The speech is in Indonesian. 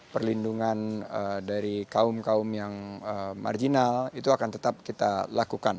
perlindungan dari kaum kaum yang marginal itu akan tetap kita lakukan